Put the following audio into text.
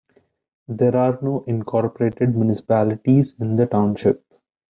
There are no incorporated municipalities in the township.